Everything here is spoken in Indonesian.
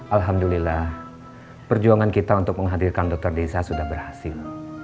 alhamdulillah perjuangan kita untuk menghadirkan dokter desa sudah berhasil